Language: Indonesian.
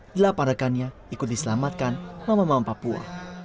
dilaparakannya ikut diselamatkan mama mama papua